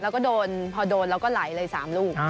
แล้วก็โดนพอโดนแล้วก็ไหลเลย๓ลูก